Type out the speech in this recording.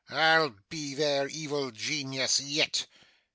I'll be their evil genius yet.